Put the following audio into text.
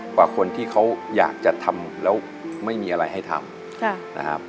กว่าคนที่เขาอยากจะทำแล้วไม่มีอะไรให้ทำนะครับ